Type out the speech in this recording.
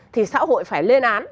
thì xã hội phải lên án